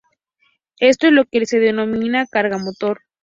Esto es lo que se denomina carga motor.